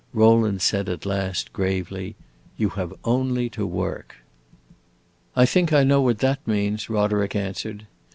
Rowland said at last, gravely, "You have only to work!" "I think I know what that means," Roderick answered.